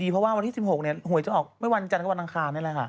เพราะว่าวันที่๑๖หวยจะออกเมื่อวันจันทร์ก็วันอังคารนี่แหละค่ะ